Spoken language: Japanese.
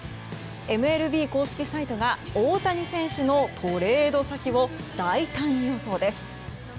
ＭＬＢ公式サイトが大谷選手のトレード先を大胆予想です。